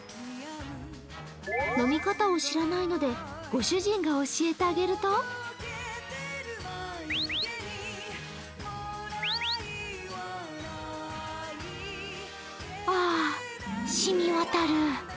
飲み方を知らないので御主人が教えてあげるとあ、しみわたる。